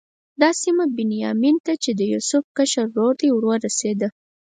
دا سیمه بني بنیامین ته چې د یوسف کشر ورور دی ورسېده.